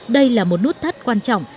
đây là một nút thắt quan trọng